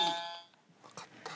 わかった。